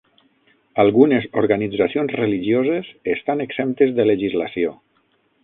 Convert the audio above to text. Algunes organitzacions religioses estan exemptes de legislació.